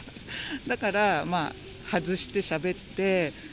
だから、外してしゃべって。